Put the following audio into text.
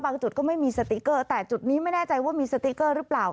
จุดก็ไม่มีสติ๊กเกอร์แต่จุดนี้ไม่แน่ใจว่ามีสติ๊กเกอร์หรือเปล่า